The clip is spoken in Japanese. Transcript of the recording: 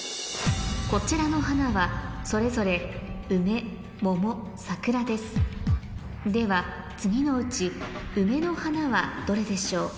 こちらの花はそれぞれ梅桃桜ですでは次のうち梅の花はどれでしょう？